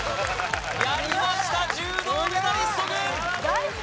やりました柔道メダリスト軍！